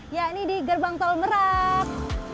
yakni di gerbang tol merak